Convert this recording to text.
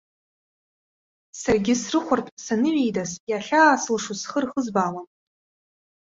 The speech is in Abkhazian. Саргьы, срыхәартә саныҩеидас, иахьаасылшо схы рхызбаауам.